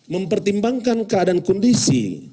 mempertimbangkan keadaan kondisi